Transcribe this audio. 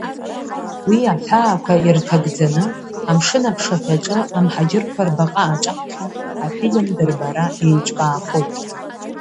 Уи аҳәаақәа ирҭагӡаны, амшын аԥшаҳәаҿы, амҳаџьырқәа рбаҟа аҿаԥхьа, афильм дырбара еиҿкаахоит.